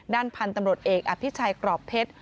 ด้านพันธ์ตำรวจเอกอภิษชัยกรอบเผ็ด